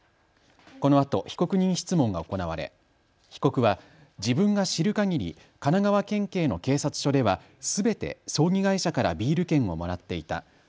このあと被告人質問が行われ被告は自分が知るかぎり神奈川県警の警察署ではすべて葬儀会社からビール券をもらっていた。